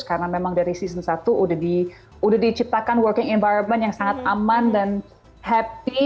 karena memang dari season satu udah diciptakan working environment yang sangat aman dan happy